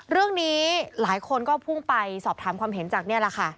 เรื่องนี้หลายคนก็พุ่งไปสอบถามความเห็นจากนี่แหละค่ะ